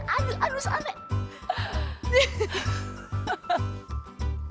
aduh adus aneh